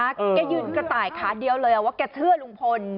แกยืนกระต่ายขาเดียวเลยว่าแกเชื่อลุงพล